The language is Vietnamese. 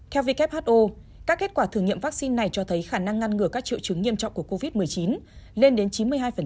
theo who các kết quả thử nghiệm vaccine này cho thấy khả năng ngăn ngừa các triệu chứng nghiêm trọng của covid một mươi chín lên đến chín mươi hai